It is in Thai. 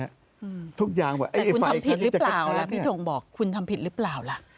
อืมทุกอย่างแต่คุณทำผิดรึเปล่าล่ะพี่ถงบอกคุณทำผิดรึเปล่าล่ะ